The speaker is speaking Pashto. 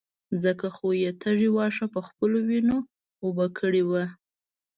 ځکه خو يې تږي واښه په خپلو وينو اوبه کړي وو.